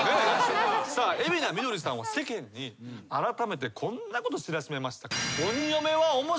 海老名美どりさんは世間にあらためてこんなこと知らしめました。